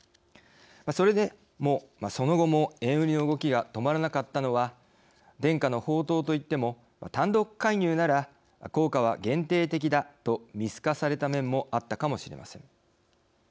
それでも、その後も円売りの動きが止まらなかったのは伝家の宝刀といっても単独介入なら効果は限定的だと見透かされた面もあったかもしれません。